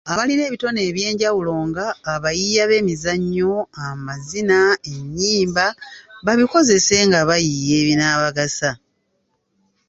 Abalina ebitone eby'enjawulo nga; abayiiya b'emizannyo, amazina, ennyimba babikozese nga bayiiya ebinaabagasa.